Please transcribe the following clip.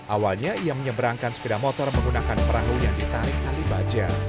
awalnya ia menyeberangkan sepeda motor menggunakan perahu yang ditarik tali baja